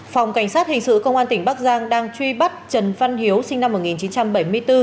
phòng cảnh sát hình sự công an tỉnh bắc giang đang truy bắt trần văn hiếu sinh năm một nghìn chín trăm bảy mươi bốn